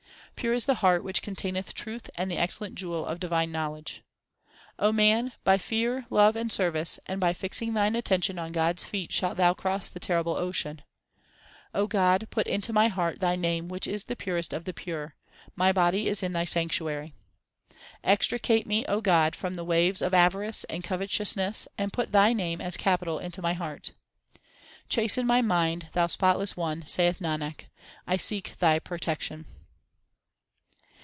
Pure is the heart which containeth truth and the excellent jewel of divine knowledge. 326 THE SIKH RELIGION O man, by fear, love, and service, and by fixing thine attention on God s feet shalt thou cross the terrible ocean. O God, put into my heart Thy name which is the purest of the pure ; my body is in Thy sanctuary. Extricate me, O God, from the waves of avarice and covetousness, and put Thy name as capital into my heart. Chasten my mind. Thou spotless One, saith Nanak, I seek Thy protection.